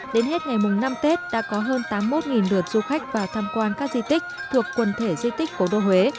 đến hết ngày mùng năm tết đã có hơn tám mươi một lượt du khách vào tham quan các di tích thuộc quần thể di tích cố đô huế